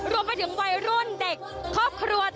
รวมไปถึงวัยรุ่นเด็กครอบครัว